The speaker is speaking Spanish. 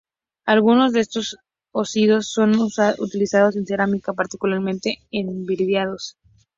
Algunos de estos óxidos son utilizados en cerámica, particularmente en vidriados.